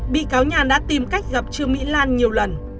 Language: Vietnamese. bị cáo nhàn đã tìm cách gặp trương mỹ lan nhiều lần